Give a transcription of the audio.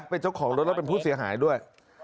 เป็นเจ้าของรถแล้วเป็นผู้เสียหายด้วย